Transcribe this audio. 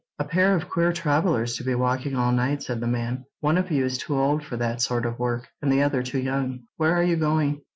"A pair of queer travellers to be walking all night," said the man. "One of you is too old for that sort of work, and the other too young. Where are you going?"